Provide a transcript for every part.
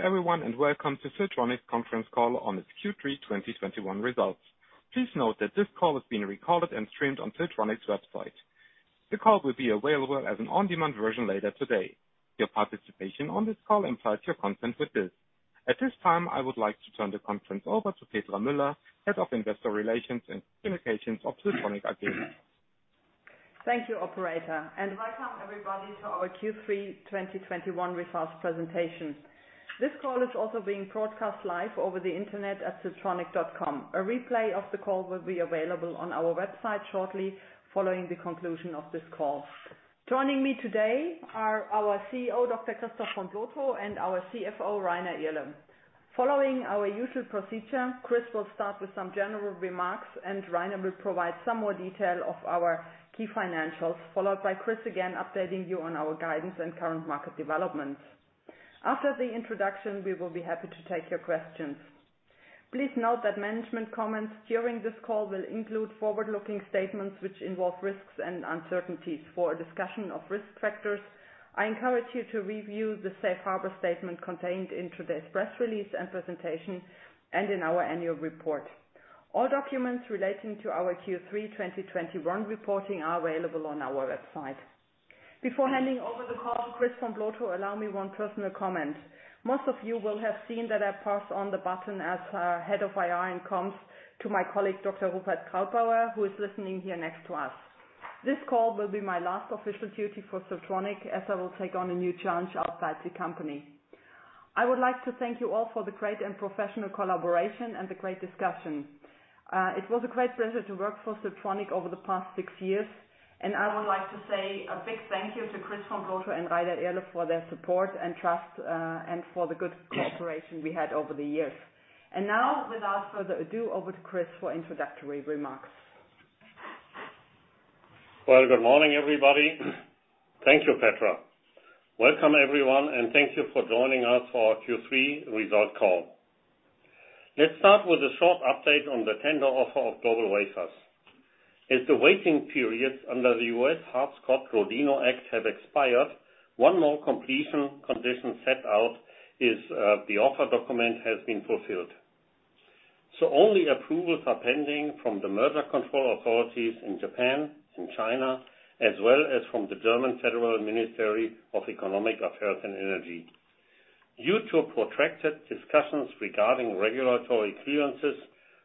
Hello everyone, and welcome to Siltronic Conference Call on its Q3 2021 results. Please note that this call is being recorded and streamed on Siltronic's website. The call will be available as an on-demand version later today. Your participation on this call implies your consent with this. At this time, I would like to turn the conference over to Petra Müller, Head of Investor Relations and Communications of Siltronic AG. Thank you, operator, and welcome everybody to our Q3 2021 Results Presentation. This call is also being broadcast live over the internet at siltronic.com. A replay of the call will be available on our website shortly following the conclusion of this call. Joining me today are our CEO, Dr. Christoph von Plotho, and our CFO, Rainer Irle. Following our usual procedure, Chris will start with some general remarks, and Rainer will provide some more detail of our key financials, followed by Chris again updating you on our guidance and current market developments. After the introduction, we will be happy to take your questions. Please note that management comments during this call will include forward-looking statements which involve risks and uncertainties. For a discussion of risk factors, I encourage you to review the safe harbor statement contained in today's press release and presentation, and in our annual report. All documents relating to our Q3 2021 reporting are available on our website. Before handing over the call to Christoph von Plotho, allow me one personal comment. Most of you will have seen that I passed on the baton as head of IR and comms to my colleague, Dr. Rupert Krautbauer, who is listening here next to us. This call will be my last official duty for Siltronic as I will take on a new challenge outside the company. I would like to thank you all for the great and professional collaboration and the great discussion. It was a great pleasure to work for Siltronic over the past six years, and I would like to say a big thank you to Christoph von Plotho and Rainer Irle for their support and trust, and for the good cooperation we had over the years. Now, without further ado, over to Chris for introductory remarks. Well, good morning, everybody. Thank you, Petra. Welcome everyone, and thank you for joining us for our Q3 result call. Let's start with a short update on the tender offer of GlobalWafers. As the waiting periods under the U.S. Hart-Scott-Rodino Act have expired, one more completion condition set out is the offer document has been fulfilled. Only approvals are pending from the merger control authorities in Japan and China, as well as from the German Federal Ministry of Economic Affairs and Energy. Due to protracted discussions regarding regulatory clearances,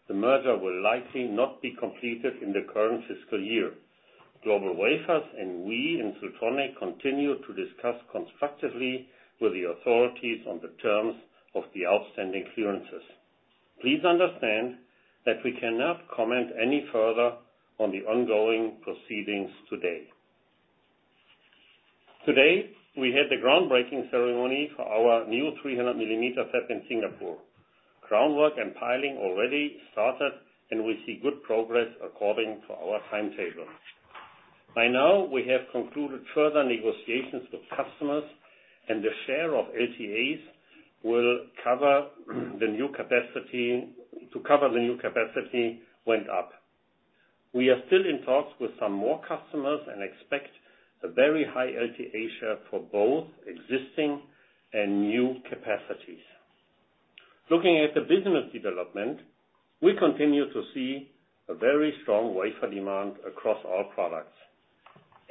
the merger will likely not be completed in the current fiscal year. GlobalWafers and we in Siltronic continue to discuss constructively with the authorities on the terms of the outstanding clearances. Please understand that we cannot comment any further on the ongoing proceedings today. Today, we had the groundbreaking ceremony for our new 300 mm fab in Singapore. Groundwork and piling already started, and we see good progress according to our timetable. By now, we have concluded further negotiations with customers, and the share of LTAs to cover the new capacity went up. We are still in talks with some more customers and expect a very high LTA share for both existing and new capacities. Looking at the business development, we continue to see a very strong wafer demand across all products.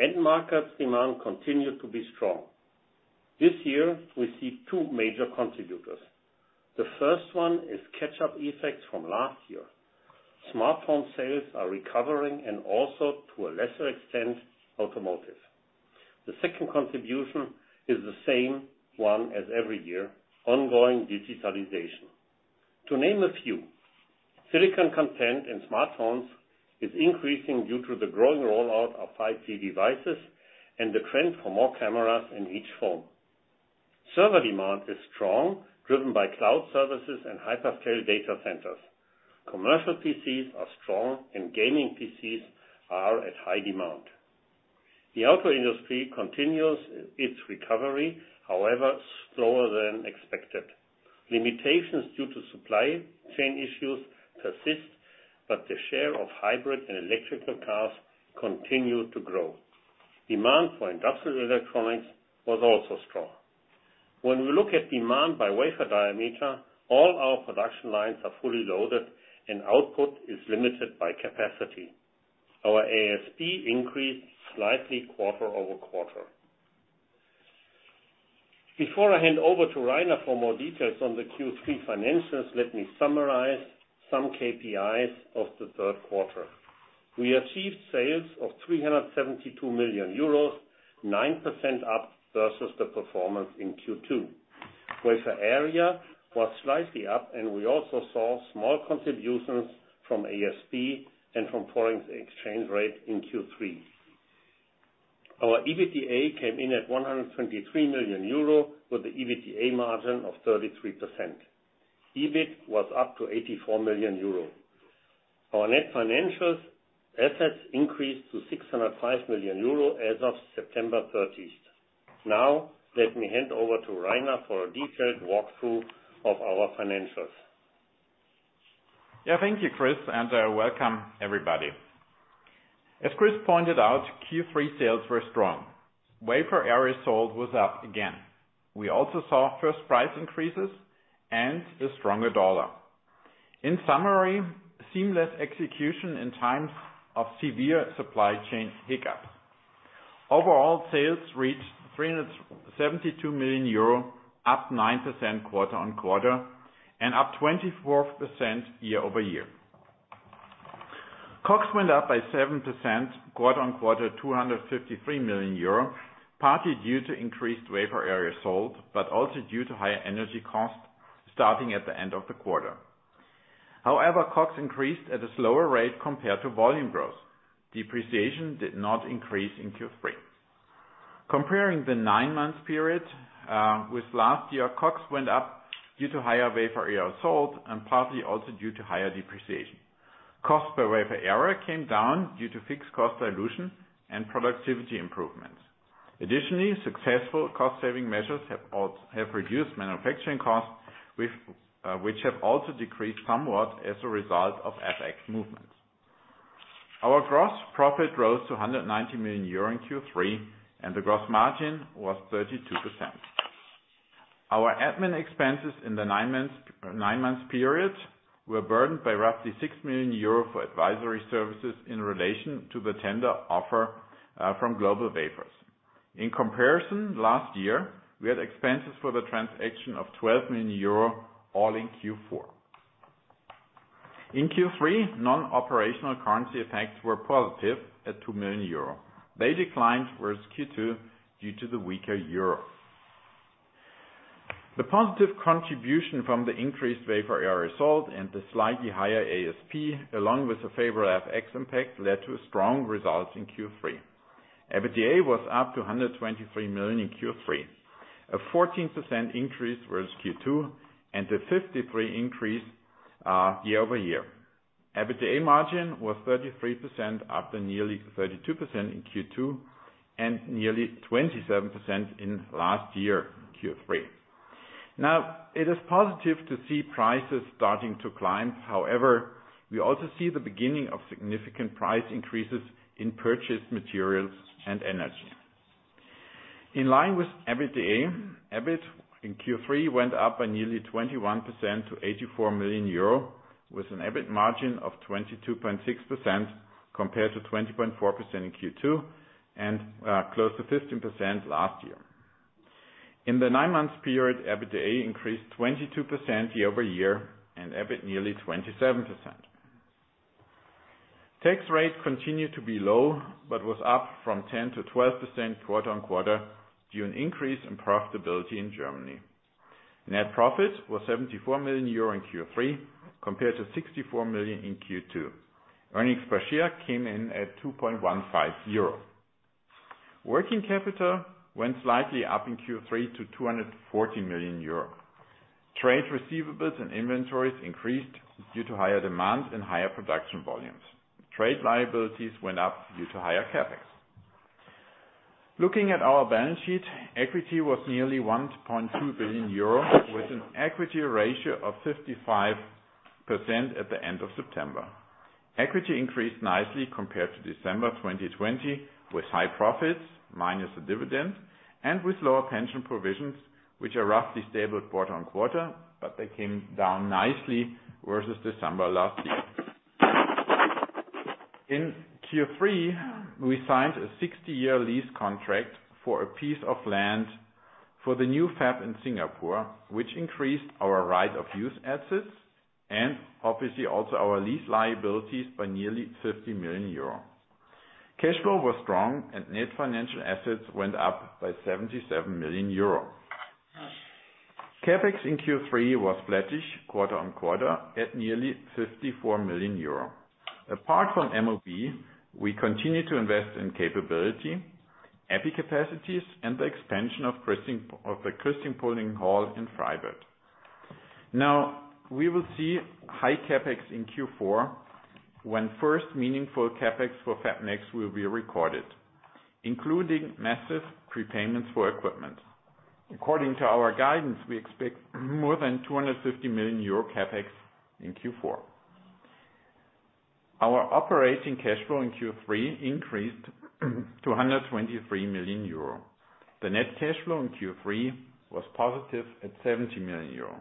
End markets demand continue to be strong. This year, we see two major contributors. The first one is catch-up effects from last year. Smartphone sales are recovering and also, to a lesser extent, automotive. The second contribution is the same one as every year, ongoing digitalization. To name a few, silicon content in smartphones is increasing due to the growing rollout of 5G devices and the trend for more cameras in each phone. Server demand is strong, driven by cloud services and hyperscale data centers. Commercial PCs are strong, and gaming PCs are in high demand. The auto industry continues its recovery, however, slower than expected. Limitations due to supply chain issues persist, but the share of hybrid and electric cars continue to grow. Demand for industrial electronics was also strong. When we look at demand by wafer diameter, all our production lines are fully loaded, and output is limited by capacity. Our ASP increased slightly quarter-over-quarter. Before I hand over to Rainer for more details on the Q3 financials, let me summarize some KPIs of the third quarter. We achieved sales of 372 million euros, 9% up versus the performance in Q2. Wafer area was slightly up, and we also saw small contributions from ASP and from foreign exchange rate in Q3. Our EBITDA came in at 123 million euro, with the EBITDA margin of 33%. EBIT was up to 84 million euro. Our net financial assets increased to 605 million euro as of September thirtieth. Now, let me hand over to Rainer for a detailed walkthrough of our financials. Yeah, thank you, Chris, and welcome everybody. As Chris pointed out, Q3 sales were strong. Wafer area sold was up again. We also saw first price increases and a stronger dollar. In summary, seamless execution in times of severe supply chain hiccup. Overall sales reached 372 million euro, up 9% quarter-on-quarter and up 24% year-over-year. COGS went up by 7% quarter-on-quarter, 253 million euro, partly due to increased wafer area sold, but also due to higher energy costs starting at the end of the quarter. However, COGS increased at a slower rate compared to volume growth. Depreciation did not increase in Q3. Comparing the nine-month period with last year, COGS went up due to higher wafer area sold and partly also due to higher depreciation. Cost per wafer area came down due to fixed cost dilution and productivity improvements. Additionally, successful cost-saving measures have reduced manufacturing costs, which have also decreased somewhat as a result of FX movements. Our gross profit rose to 190 million euro in Q3, and the gross margin was 32%. Our admin expenses in the nine-month period were burdened by roughly 6 million euro for advisory services in relation to the tender offer from GlobalWafers. In comparison, last year, we had expenses for the transaction of 12 million euro, all in Q4. In Q3, non-operational currency effects were positive at 2 million euro. They declined versus Q2 due to the weaker Euro. The positive contribution from the increased wafer area sold and the slightly higher ASP, along with the favorable FX impact, led to strong results in Q3. EBITDA was up to 123 million in Q3, a 14% increase versus Q2 and a 53% increase year-over-year. EBITDA margin was 33% after nearly 32% in Q2 and nearly 27% in last year Q3. It is positive to see prices starting to climb. However, we also see the beginning of significant price increases in purchased materials and energy. In line with EBITDA, EBIT in Q3 went up by nearly 21% to 84 million euro with an EBIT margin of 22.6% compared to 20.4% in Q2 and close to 15% last year. In the nine-month period, EBITDA increased 22% year-over-year and EBIT nearly 27%. Tax rate continued to be low but was up from 10%-12% quarter-over-quarter due to an increase in profitability in Germany. Net profit was 74 million euro in Q3 compared to 64 million in Q2. Earnings per share came in at 2.15 euro. Working capital went slightly up in Q3 to 240 million euro. Trade receivables and inventories increased due to higher demand and higher production volumes. Trade liabilities went up due to higher CapEx. Looking at our balance sheet, equity was nearly 1.2 billion euro, with an equity ratio of 55% at the end of September. Equity increased nicely compared to December 2020, with high profits minus the dividend, and with lower pension provisions, which are roughly stable quarter-over-quarter, but they came down nicely versus December last year. In Q3, we signed a 60-year lease contract for a piece of land for the new fab in Singapore, which increased our right of use assets and obviously also our lease liabilities by nearly 50 million euro. Cash flow was strong and net financial assets went up by 77 million euro. CapEx in Q3 was flattish quarter on quarter at nearly 54 million euro. Apart from MOB, we continue to invest in capability, EPI capacities, and the extension of the crystal pulling hall in Freiberg. Now, we will see high CapEx in Q4 when first meaningful CapEx for FabNext will be recorded, including massive prepayments for equipment. According to our guidance, we expect more than 250 million euro CapEx in Q4. Our operating cash flow in Q3 increased to 123 million euro. The net cash flow in Q3 was positive at 70 million euro.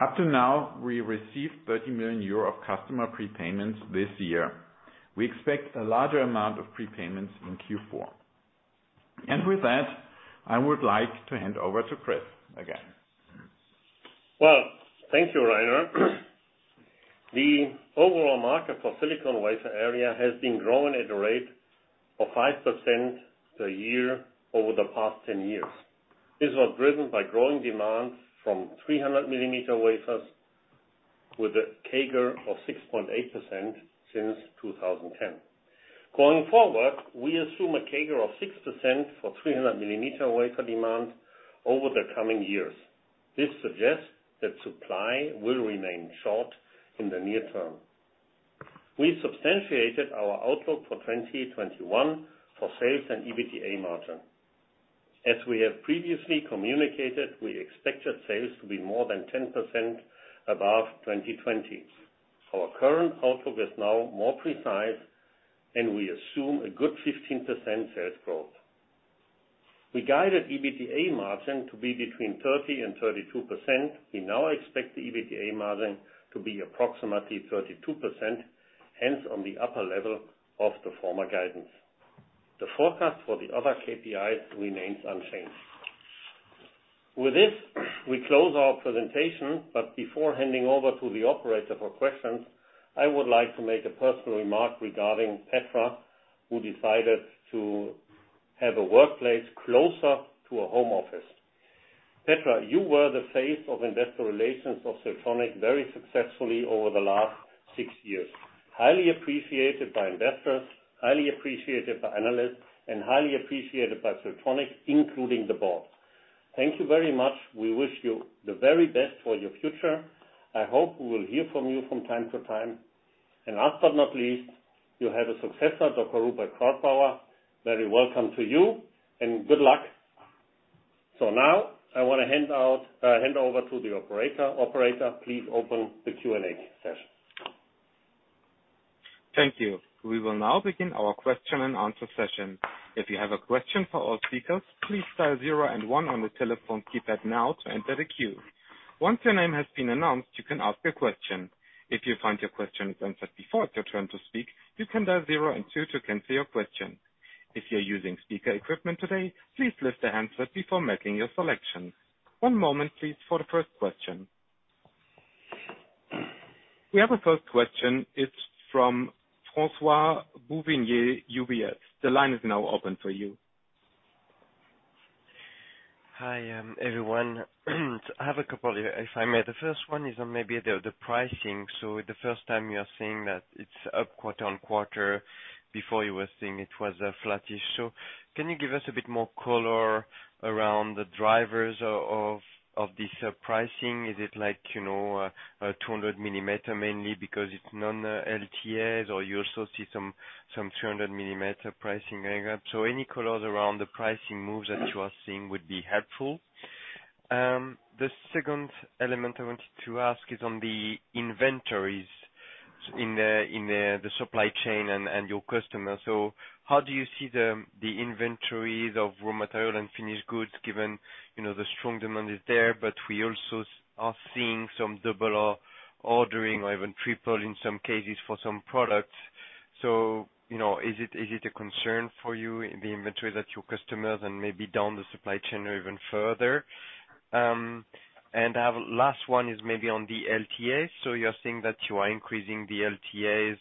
Up to now, we received 30 million euro of customer prepayments this year. We expect a larger amount of prepayments in Q4. With that, I would like to hand over to Christoph again. Well, thank you, Rainer. The overall market for silicon wafer area has been growing at a rate of 5% a year over the past 10 years. This was driven by growing demand from 300 mm wafers with a CAGR of 6.8% since 2010. Going forward, we assume a CAGR of 6% for 300 mm wafer demand over the coming years. This suggests that supply will remain short in the near term. We substantiated our outlook for 2021 for sales and EBITDA margin. As we have previously communicated, we expected sales to be more than 10% above 2020. Our current outlook is now more precise, and we assume a good 15% sales growth. We guided EBITDA margin to be between 30% and 32%. We now expect the EBITDA margin to be approximately 32%, hence on the upper level of the former guidance. The forecast for the other KPIs remains unchanged. With this, we close our presentation, but before handing over to the operator for questions, I would like to make a personal remark regarding Petra, who decided to have a workplace closer to her home office. Petra, you were the face of investor relations of Siltronic very successfully over the last six years. Highly appreciated by investors, highly appreciated by analysts, and highly appreciated by Siltronic, including the board. Thank you very much. We wish you the very best for your future. I hope we will hear from you from time to time. Last but not least, you have a successor, Dr. Rupert Krautbauer. Very welcome to you and good luck. Now I want to hand over to the operator. Operator, please open the Q&A session. Thank you. We will now begin our question and answer session. If you have a question for our speakers, please dial zero and one on the telephone keypad now to enter the queue. Once your name has been announced, you can ask your question. If you find your question answered before it's your turn to speak, you can dial zero and two to cancel your question. If you're using speaker equipment today, please lift the handset before making your selection. One moment, please, for the first question. We have a first question. It's from Francois-Olivier Mercier, UBS. The line is now open for you. Hi, everyone. I have a couple here if I may. The first one is on maybe the pricing. The first time you are saying that it's up quarter-over-quarter, before you were saying it was flattish. Can you give us a bit more color around the drivers of this pricing? Is it like, you know, a 200 mm mainly because it's non-LTAs or you also see some 300 mm pricing going up? Any colors around the pricing moves that you are seeing would be helpful. The second element I wanted to ask is on the inventories in the supply chain and your customers. How do you see the inventories of raw material and finished goods given, you know, the strong demand is there, but we also are seeing some double ordering or even triple in some cases for some products. You know, is it a concern for you in the inventory that your customers and maybe down the supply chain or even further? And I have last one is maybe on the LTAs. You're saying that you are increasing the LTAs.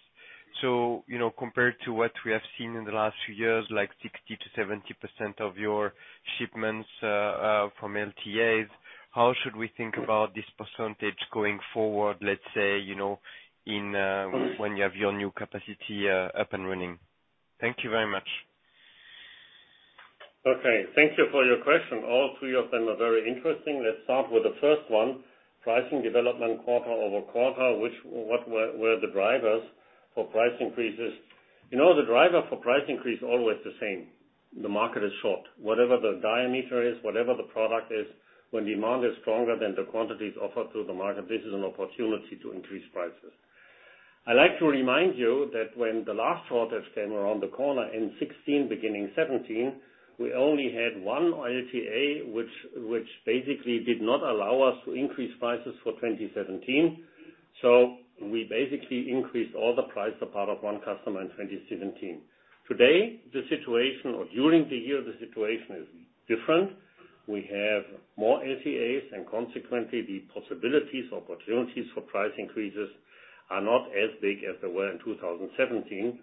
You know, compared to what we have seen in the last few years, like 60%-70% of your shipments from LTAs, how should we think about this percentage going forward, let's say, you know, in, when you have your new capacity up and running? Thank you very much. Okay, thank you for your question. All three of them are very interesting. Let's start with the first one. Pricing development quarter-over-quarter, what were the drivers for price increases. You know, the driver for price increase always the same. The market is short. Whatever the diameter is, whatever the product is, when demand is stronger than the quantities offered to the market, this is an opportunity to increase prices. I like to remind you that when the last quarter came around the corner in 2016, beginning 2017, we only had one LTA, which basically did not allow us to increase prices for 2017. We basically increased all prices apart from one customer in 2017. Today, the situation during the year is different. We have more LTAs, and consequently, the possibilities, opportunities for price increases are not as big as they were in 2017.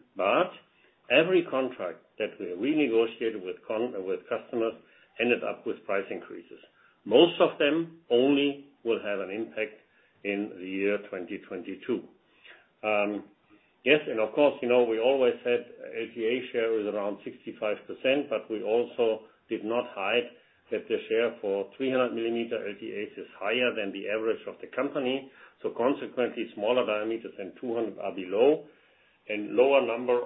Every contract that we renegotiated with customers ended up with price increases. Most of them only will have an impact in the year 2022. You know, we always said LTA share was around 65%, but we also did not hide that the share for 300 mm LTAs is higher than the average of the company. Consequently, smaller diameters and 200 mm are below. Lower number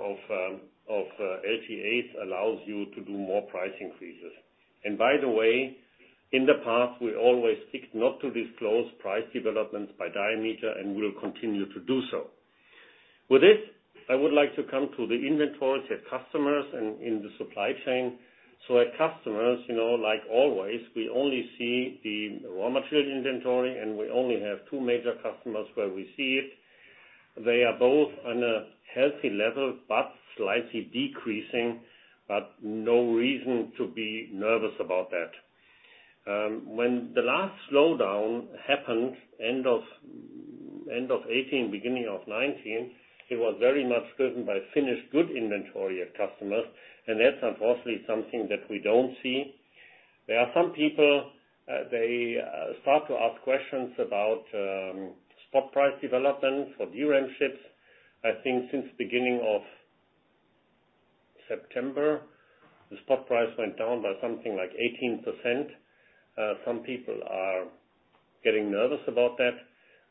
of LTAs allows you to do more price increases. By the way, in the past, we always seek not to disclose price developments by diameter, and we'll continue to do so. With this, I would like to come to the inventory at customers and in the supply chain. At customers, you know, like always, we only see the raw material inventory, and we only have two major customers where we see it. They are both on a healthy level but slightly decreasing, but no reason to be nervous about that. When the last slowdown happened, end of 2018, beginning of 2019, it was very much driven by finished goods inventory at customers, and that's unfortunately something that we don't see. There are some people they start to ask questions about spot price development for DRAM chips. I think since beginning of September, the spot price went down by something like 18%. Some people are getting nervous about that.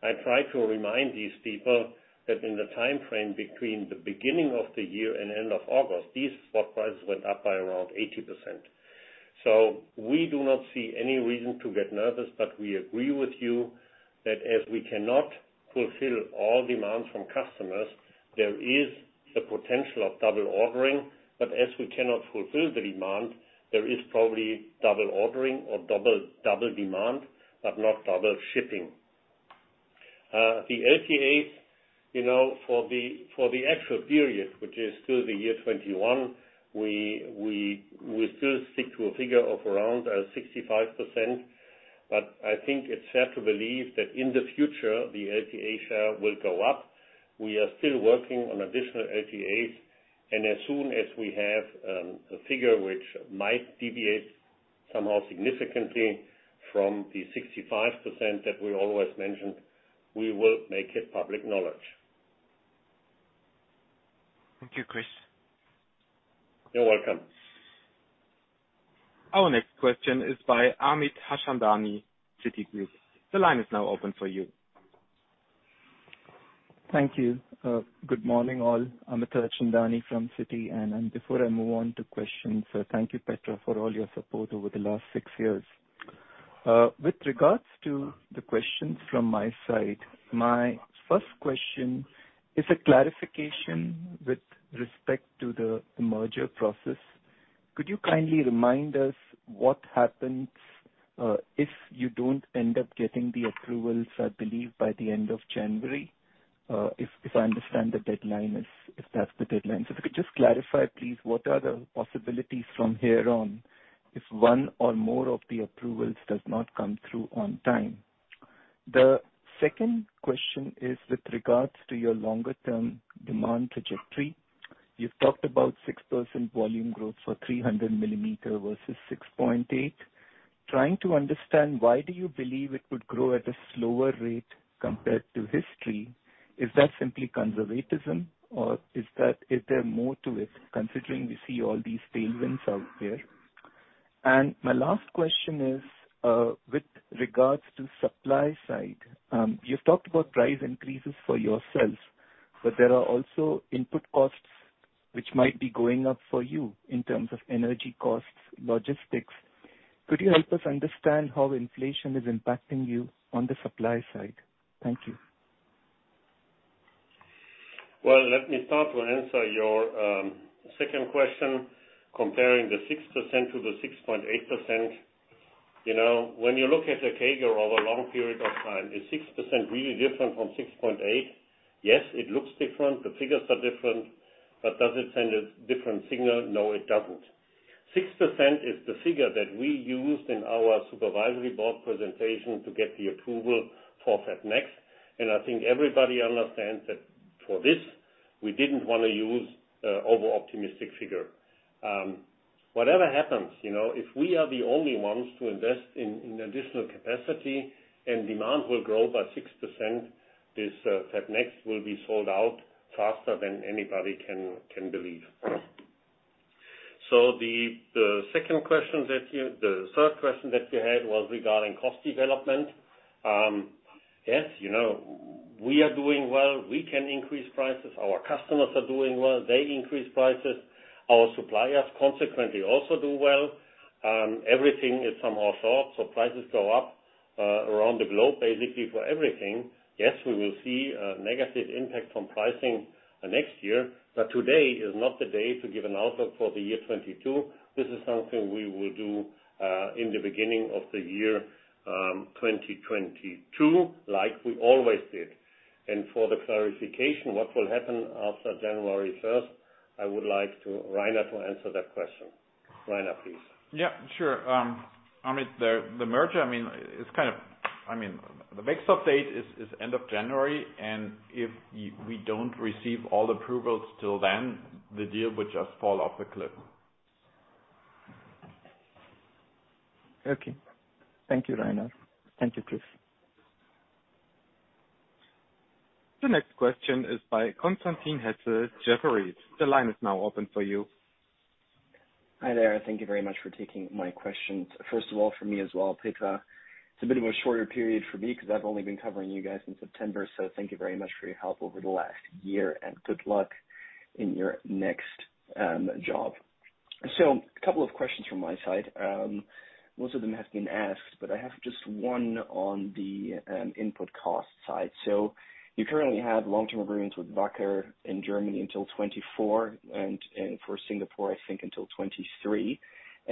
I try to remind these people that in the time frame between the beginning of the year and end of August, these spot prices went up by around 80%. We do not see any reason to get nervous, but we agree with you that as we cannot fulfill all demands from customers, there is the potential of double ordering. As we cannot fulfill the demand, there is probably double ordering or double demand, but not double shipping. The LTAs, you know, for the actual period, which is still the year 2021, we still stick to a figure of around 65%. I think it's fair to believe that in the future, the LTA share will go up. We are still working on additional LTAs, and as soon as we have a figure which might deviate somehow significantly from the 65% that we always mentioned, we will make it public knowledge. Thank you, Chris. You're welcome. Our next question is by Amit Harchandani, Citigroup. The line is now open for you. Thank you. Good morning, all. Amit Harchandani from Citi. Before I move on to questions, thank you, Petra, for all your support over the last six years. With regards to the questions from my side, my first question is a clarification with respect to the merger process. Could you kindly remind us what happens if you don't end up getting the approvals, I believe, by the end of January? If that's the deadline. If you could just clarify, please, what are the possibilities from here on if one or more of the approvals does not come through on time? The second question is with regards to your longer term demand trajectory. You've talked about 6% volume growth for 300 mm versus 6.8. Trying to understand why do you believe it would grow at a slower rate compared to history? Is that simply conservatism or is there more to it, considering we see all these tailwinds out there? My last question is, with regards to supply side. You've talked about price increases for yourself, but there are also input costs which might be going up for you in terms of energy costs, logistics. Could you help us understand how inflation is impacting you on the supply side? Thank you. Well, let me start to answer your second question, comparing the 6% to the 6.8%. You know, when you look at a CAGR over a long period of time, is 6% really different from 6.8? Yes, it looks different. The figures are different. But does it send a different signal? No, it doesn't. 6% is the figure that we used in our supervisory board presentation to get the approval for FabNext. I think everybody understands that for this, we didn't wanna use an overoptimistic figure. Whatever happens, you know, if we are the only ones to invest in additional capacity and demand will grow by 6%, this FabNext will be sold out faster than anybody can believe. The third question that you had was regarding cost development. Yes, you know, we are doing well. We can increase prices. Our customers are doing well. They increase prices. Our suppliers consequently also do well. Everything is somehow short, so prices go up around the globe, basically for everything. Yes, we will see a negative impact from pricing next year, but today is not the day to give an outlook for the year 2022. This is something we will do in the beginning of the year 2022, like we always did. For the clarification, what will happen after January first, I would like Rainer to answer that question. Rainer, please. Yeah, sure. Amit, the merger, I mean, it's kind of I mean, the next update is end of January, and if we don't receive all the approvals till then, the deal would just fall off the cliff. Okay. Thank you, Rainer. Thank you, Chris. The next question is by Constantin Hesse, Jefferies. The line is now open for you. Hi, there. Thank you very much for taking my questions. First of all, for me as well, Petra, it's a bit of a shorter period for me 'cause I've only been covering you guys since September. Thank you very much for your help over the last year, and good luck in your next job. A couple of questions from my side. Most of them have been asked, but I have just one on the input cost side. You currently have long-term agreements with Wacker in Germany until 2024 and for Singapore, I think until 2023.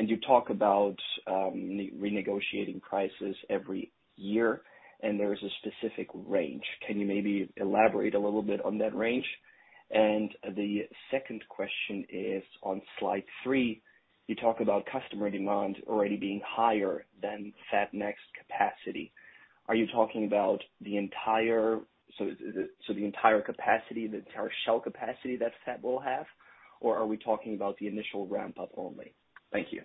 You talk about renegotiating prices every year, and there is a specific range. Can you maybe elaborate a little bit on that range? The second question is on slide three, you talk about customer demand already being higher than FabNext capacity. Are you talking about the entire capacity, the entire shell capacity that fab will have, or are we talking about the initial ramp-up only? Thank you.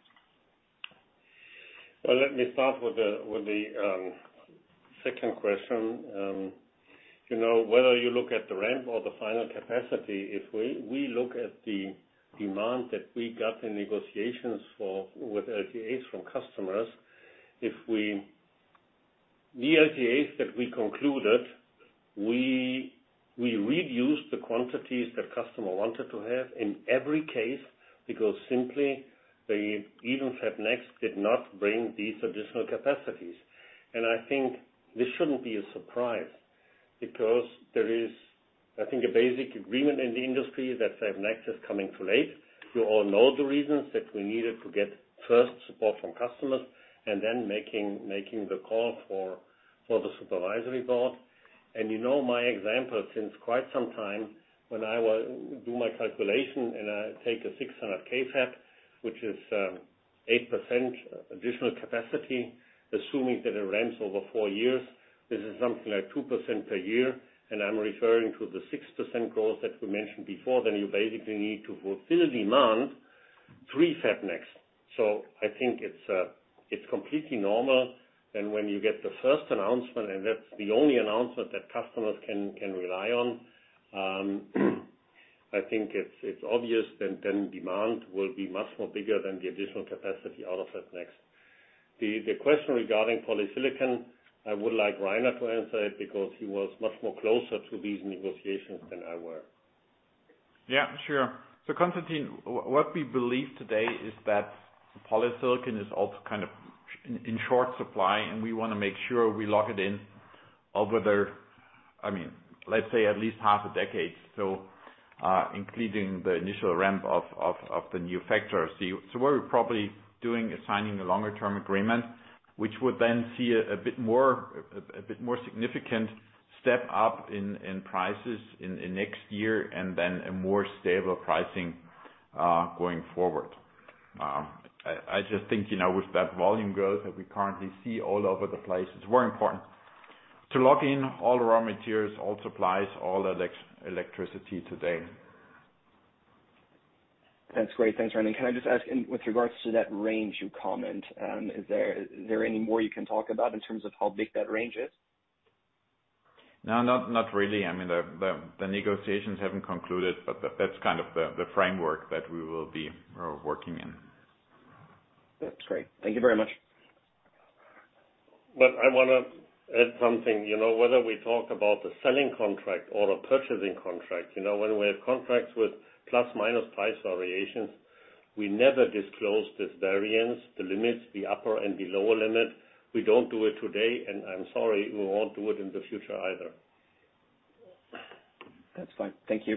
Well, let me start with the second question. You know, whether you look at the ramp or the final capacity, if we look at the demand that we got in negotiations for with LTAs from customers, the LTAs that we concluded, we reduced the quantities the customer wanted to have in every case because simply the FabNext did not bring these additional capacities. I think this shouldn't be a surprise because there is, I think, a basic agreement in the industry that FabNext is coming too late. You all know the reasons that we needed to get first support from customers and then making the call for the supervisory board. You know my example since quite some time, when I do my calculation, and I take a 600,000 fab, which is 8% additional capacity, assuming that it runs over four years, this is something like 2% per year. I'm referring to the 6% growth that we mentioned before, then you basically need to fulfill demand three FabNext. I think it's completely normal. When you get the first announcement, and that's the only announcement that customers can rely on, I think it's obvious then demand will be much more bigger than the additional capacity out of FabNext. The question regarding polysilicon, I would like Rainer to answer it because he was much more closer to these negotiations than I were. Yeah, sure. Constantin, what we believe today is that polysilicon is also kind of in short supply, and we wanna make sure we lock it in over the, I mean, let's say at least half a decade. Including the initial ramp of the new fab. What we're probably doing is signing a longer term agreement, which would then see a bit more significant step up in prices in next year and then a more stable pricing going forward. I just think, you know, with that volume growth that we currently see all over the place, it's very important to lock in all raw materials, all supplies, all electricity today. That's great. Thanks, Rainer. Can I just ask with regards to that range you commented, is there any more you can talk about in terms of how big that range is? No, not really. I mean, the negotiations haven't concluded, but that's kind of the framework that we will be working in. That's great. Thank you very much. I wanna add something. You know, whether we talk about the selling contract or a purchasing contract, you know, when we have contracts with plus/minus price variations, we never disclose this variance, the limits, the upper and the lower limit. We don't do it today, and I'm sorry, we won't do it in the future either. That's fine. Thank you.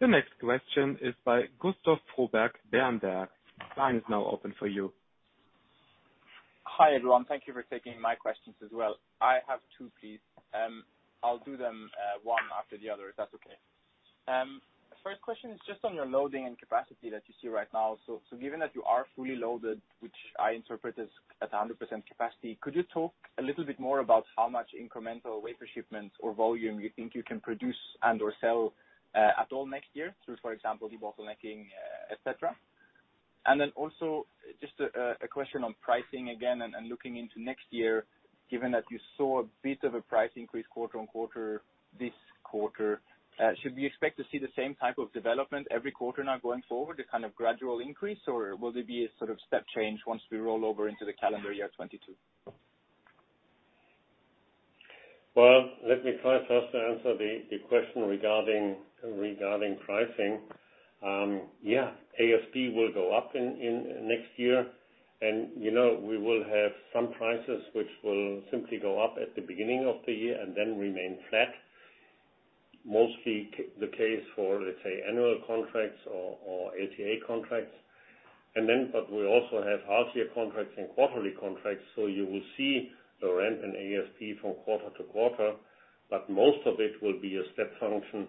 The next question is by Gustav Fröberg, Berenberg. Line is now open for you. Hi, everyone. Thank you for taking my questions as well. I have two, please. I'll do them one after the other, if that's okay. First question is just on your loading and capacity that you see right now. So, given that you are fully loaded, which I interpret as at 100% capacity, could you talk a little bit more about how much incremental wafer shipments or volume you think you can produce and/or sell at all next year through, for example, debottlenecking, et cetera? Also just a question on pricing again and looking into next year, given that you saw a bit of a price increase quarter on quarter this quarter, should we expect to see the same type of development every quarter now going forward, a kind of gradual increase, or will there be a sort of step change once we roll over into the calendar year 2022? Well, let me try first to answer the question regarding pricing. Yeah, ASP will go up in next year. You know, we will have some prices which will simply go up at the beginning of the year and then remain flat. Mostly the case for, let's say, annual contracts or LTA contracts. We also have half-year contracts and quarterly contracts, so you will see the rent and ASP from quarter to quarter, but most of it will be a step function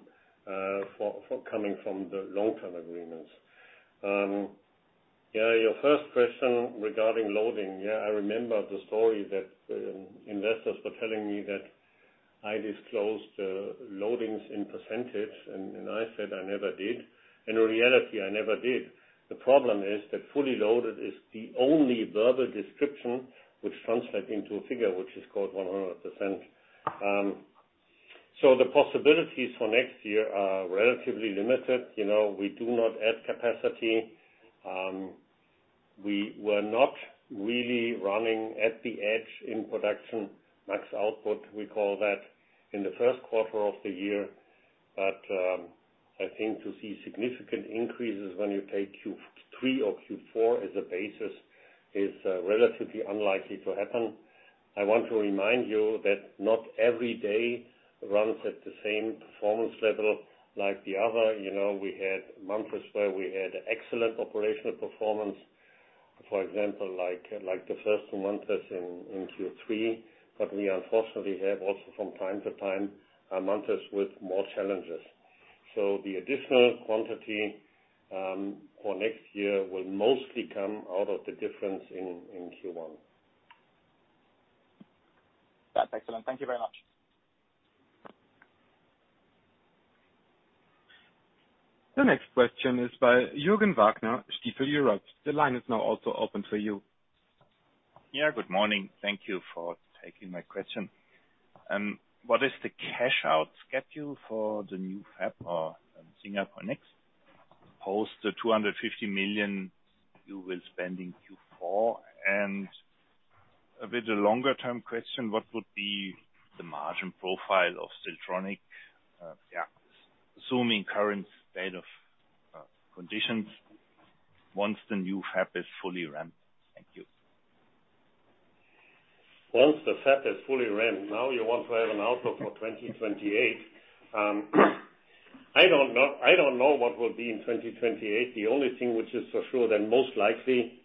for coming from the long-term agreements. Yeah, your first question regarding loading. Yeah, I remember the story that investors were telling me that I disclosed loadings in percentage, and I said I never did. In reality, I never did. The problem is that fully loaded is the only verbal description which translates into a figure which is called 100%. So the possibilities for next year are relatively limited. You know, we do not add capacity. We were not really running at the edge in production, max output, we call that, in the first quarter of the year. I think to see significant increases when you take Q3 or Q4 as a basis is relatively unlikely to happen. I want to remind you that not every day runs at the same performance level like the other. You know, we had months where we had excellent operational performance. For example, like the first months in Q3, but we unfortunately have also from time to time months with more challenges. The additional quantity for next year will mostly come out of the difference in Q1. That's excellent. Thank you very much. The next question is by Jürgen Wagner, Stifel Europe. The line is now also open for you. Yeah, good morning. Thank you for taking my question. What is the cash out schedule for the new FabNext in Singapore? Post the 250 million you will spend in Q4 and a bit longer term question, what would be the margin profile of Siltronic, assuming current state of conditions once the new FabNext is fully ramped? Thank you. Once the fab is fully ramped, now you want to have an outlook for 2028. I don't know what will be in 2028. The only thing which is for sure that most likely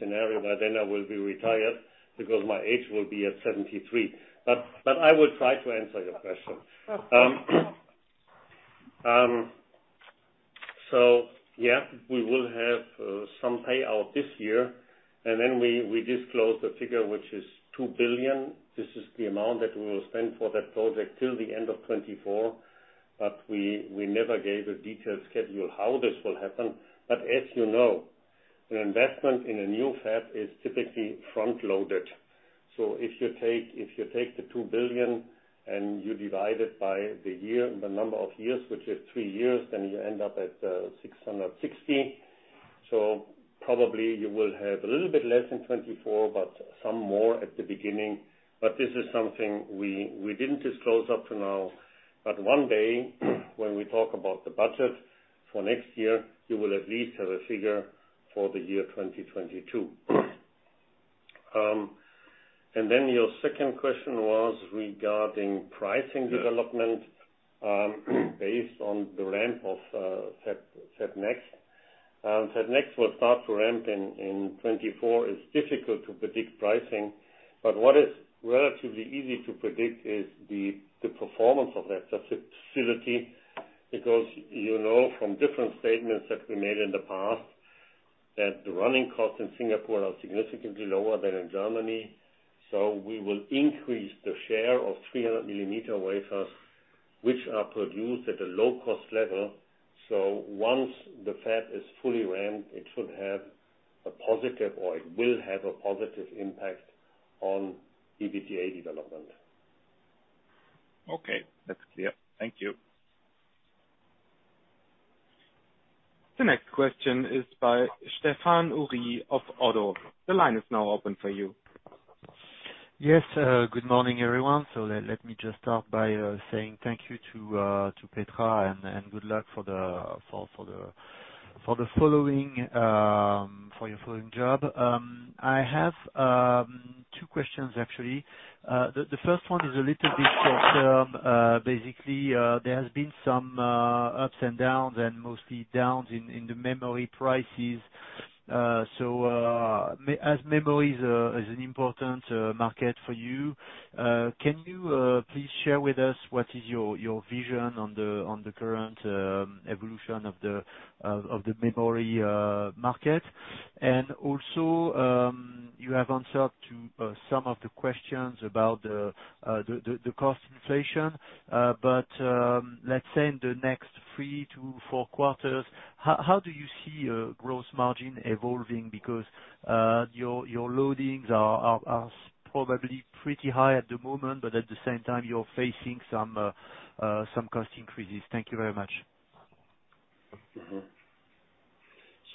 scenario by then I will be retired because my age will be at 73. I will try to answer your question. Yeah, we will have some payout this year, and then we disclose the figure, which is 2 billion. This is the amount that we will spend for that project till the end of 2024. We never gave a detailed schedule how this will happen. As you know, an investment in a new fab is typically front-loaded. If you take the 2 billion and you divide it by the number of years, which is three years, then you end up at 660 million. Probably you will have a little bit less in 2024, but some more at the beginning. This is something we didn't disclose up to now. One day, when we talk about the budget for next year, you will at least have a figure for the year 2022. Then your second question was regarding pricing development based on the ramp of FabNext. FabNext will start to ramp in 2024. It's difficult to predict pricing, but what is relatively easy to predict is the performance of that facility, because you know from different statements that we made in the past, that the running costs in Singapore are significantly lower than in Germany. We will increase the share of 300 mm wafers, which are produced at a low cost level. Once the fab is fully ramped, it should have a positive, or it will have a positive impact on EBITDA development. Okay. That's clear. Thank you. The next question is by Stéphane Houri of ODDO BHF. The line is now open for you. Yes, good morning, everyone. Let me just start by saying thank you to Petra and good luck for your following job. I have two questions actually. The first one is a little bit short-term. Basically, there has been some ups and downs and mostly downs in the memory prices. As memory is an important market for you, can you please share with us what is your vision on the current evolution of the memory market? Also, you have answered to some of the questions about the cost inflation. Let's say in the next three to four quarters, how do you see gross margin evolving? Because your loadings are probably pretty high at the moment, but at the same time, you're facing some cost increases. Thank you very much.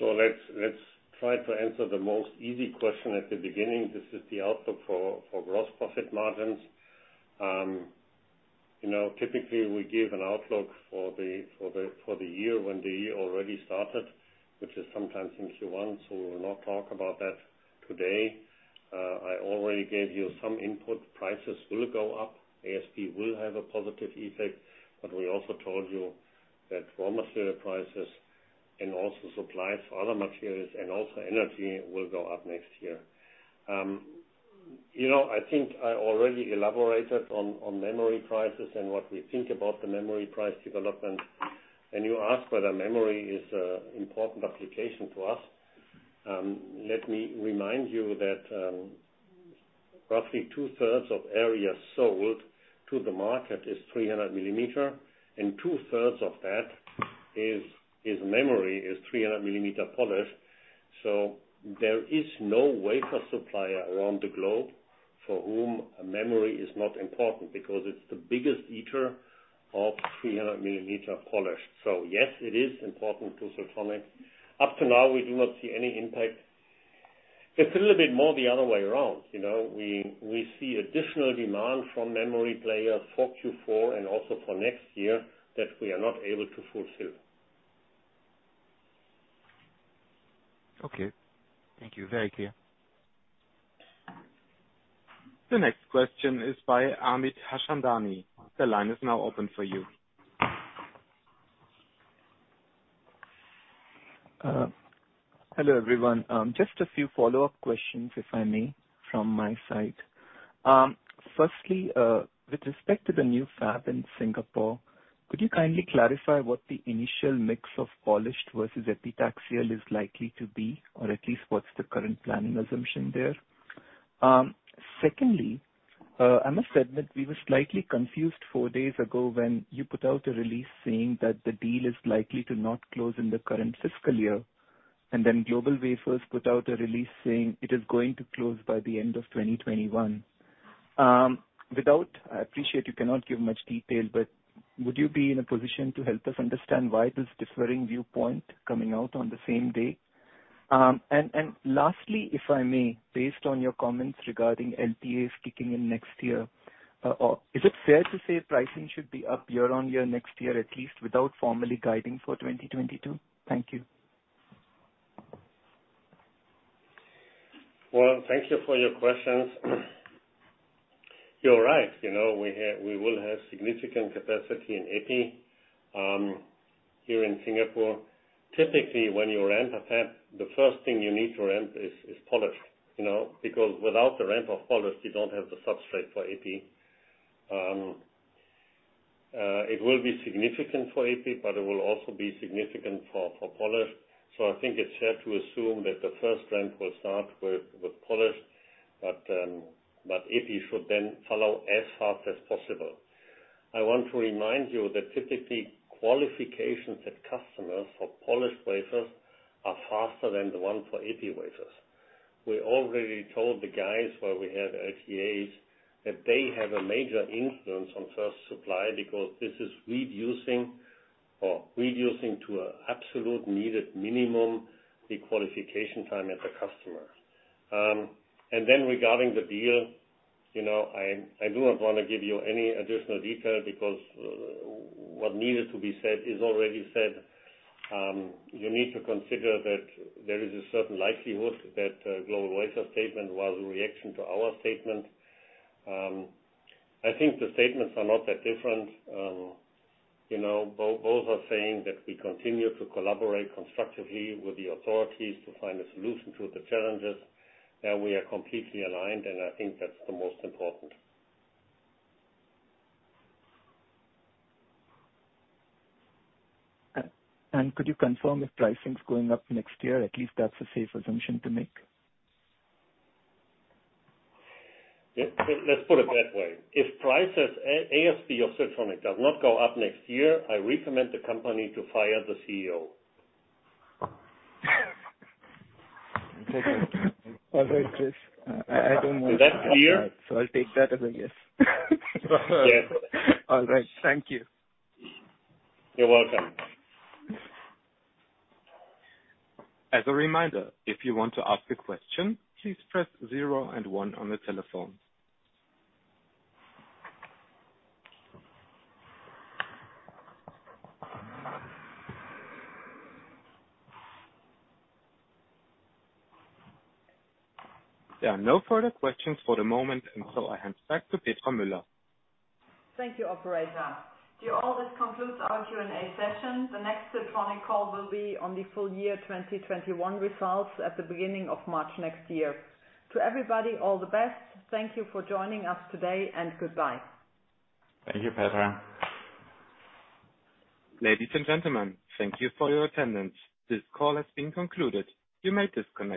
Let's try to answer the most easy question at the beginning. This is the outlook for gross profit margins. You know, typically we give an outlook for the year when the year already started, which is sometimes in Q1, so we will not talk about that today. I already gave you some input. Prices will go up. ASP will have a positive effect, but we also told you that raw material prices and also supplies for other materials and also energy will go up next year. You know, I think I already elaborated on memory prices and what we think about the memory price development. You ask whether memory is important application to us. Let me remind you that roughly two-thirds of area sold to the market is 300 mm, and 2/3 of that is memory, 300 mm polished. There is no wafer supplier around the globe for whom memory is not important because it's the biggest eater of 300 mm polished. Yes, it is important to Siltronic. Up to now, we do not see any impact. It's a little bit more the other way around. You know, we see additional demand from memory players for Q4 and also for next year that we are not able to fulfill. Okay. Thank you. Very clear. The next question is by Amit Harchandani. The line is now open for you. Hello, everyone. Just a few follow-up questions, if I may, from my side. Firstly, with respect to the new fab in Singapore, could you kindly clarify what the initial mix of polished versus epitaxial is likely to be, or at least what's the current planning assumption there? Secondly, I must admit we were slightly confused four days ago when you put out a release saying that the deal is likely to not close in the current fiscal year and then GlobalWafers put out a release saying it is going to close by the end of 2021. I appreciate you cannot give much detail, but would you be in a position to help us understand why this differing viewpoint coming out on the same day? Lastly, if I may, based on your comments regarding LTAs kicking in next year, is it fair to say pricing should be up year-on-year next year, at least without formally guiding for 2022? Thank you. Well, thank you for your questions. You're right, you know, we will have significant capacity in EPI here in Singapore. Typically, when you ramp a fab, the first thing you need to ramp is polish, you know, because without the ramp of polish, you don't have the substrate for EPI. It will be significant for EPI, but it will also be significant for polish. I think it's fair to assume that the first ramp will start with polish, but EPI should then follow as fast as possible. I want to remind you that typically qualifications at customers for polish wafers are faster than the one for EPI wafers. We already told the guys where we have LTAs that they have a major influence on first supply because this is reducing to an absolute needed minimum the qualification time at the customer. Regarding the deal, you know, I do not wanna give you any additional detail because what needed to be said is already said. You need to consider that there is a certain likelihood that GlobalWafers statement was a reaction to our statement. I think the statements are not that different. You know, both are saying that we continue to collaborate constructively with the authorities to find a solution to the challenges, and we are completely aligned, and I think that's the most important. Could you confirm if pricing's going up next year? At least that's a safe assumption to make. Let's put it that way. If prices, ASP of Siltronic does not go up next year, I recommend the company to fire the CEO. Okay. All right, Chris. I don't want to. Is that clear? I'll take that as a yes. Yes. All right. Thank you. You're welcome. As a reminder, if you want to ask a question, please press zero and one on the telephone. There are no further questions for the moment, and so I hand back to Petra Müller. Thank you, operator. To you all, this concludes our Q&A session. The next Siltronic call will be on the Full Year 2021 results at the beginning of March next year. To everybody, all the best. Thank you for joining us today, and goodbye. Thank you, Petra. Ladies and gentlemen, thank you for your attendance. This call has been concluded. You may disconnect.